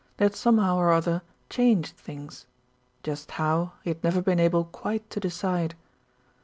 They had somehow or other changed things, just how he had never been able quite to decide.